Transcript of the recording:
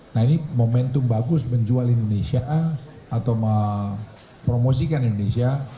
nah ini momentum bagus menjual indonesia atau mempromosikan indonesia